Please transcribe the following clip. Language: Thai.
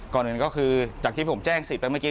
ก่อนอื่นก็คือจากที่ผมแจ้งสิทธิไปเมื่อกี